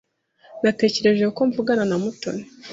Natekereje ko mvugana na Mutoni.